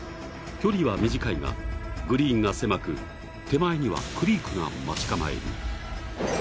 距離は短いが、グリーンが狭く手前にはクリークが待ち構える。